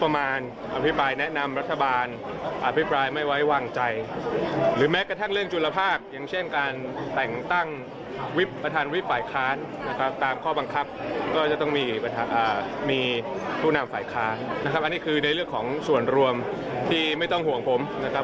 มีผู้นำฝ่ายค้านะครับอันนี้คือในเรื่องของส่วนรวมที่ไม่ต้องห่วงผมนะครับ